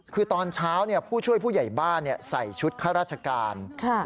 คือตอนเช้าผู้ช่วยผู้ใหญ่บ้านใส่ชุดข้าราชการ